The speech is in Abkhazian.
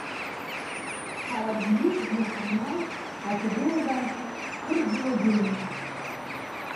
Ҳара Диузџье ҳанааи, аҭагылазаашьа кырӡа иуадаҩын.